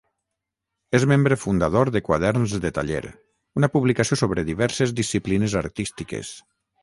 És membre fundador de Quaderns de Taller, una publicació sobre diverses disciplines artístiques.